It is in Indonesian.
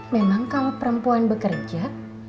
memang kalau perempuan bekerja